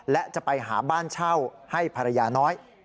และจะไปหาบ้านเช่าให้ภรรยาน้อย